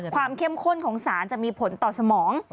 เข้มข้นของสารจะมีผลต่อสมอง